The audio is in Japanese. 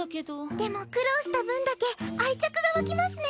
でも苦労した分だけ愛着が湧きますね。